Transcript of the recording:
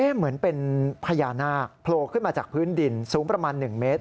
เหมือนเป็นพญานาคโผล่ขึ้นมาจากพื้นดินสูงประมาณ๑เมตร